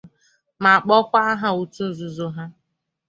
ma kpọkwa aha otu nzuzo ha.